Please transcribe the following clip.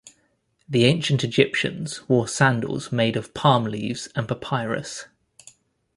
The ancient Egyptians wore sandals made of palm-leaves and papyrus.